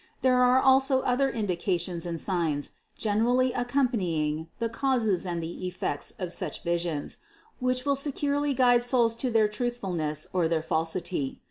There are also other indications and signs, generally accompanying the causes and the effects of such visions, which will securely guide souls as to their truthfulness or their falsity.